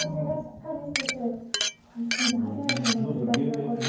初めての水炊きがこれで。